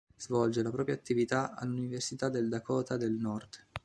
Svolge la propria attività all'Università del Dakota del Nord.